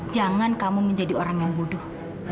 jangan kamu menjadi orang yang bodoh